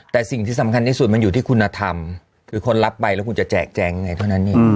แต่สิ่งที่สำคัญที่สุดมันอยู่ที่คุณธรรมคือคนรับไปแล้วคุณจะแจกแจงยังไงเท่านั้นเอง